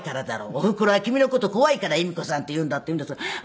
おふくろは君の事怖いから“恵美子さん”って言うんだ」って言うんですが違うんです。